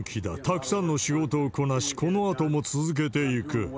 たくさんの仕事をこなし、このあとも続けていく。